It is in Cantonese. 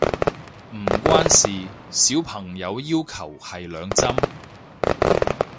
唔關事，小朋友要求係兩針